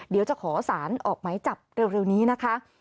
เดี๋ยวจะขอสารออกไหมจับเร็วนี้นะคะ